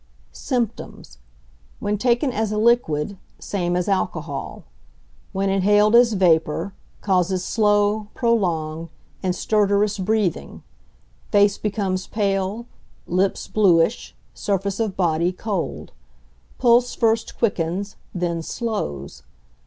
Symptoms. When taken as a liquid, same as alcohol. When inhaled as vapour, causes slow, prolonged, and stertorous breathing; face becomes pale, lips bluish, surface of body cold. Pulse first quickens, then slows.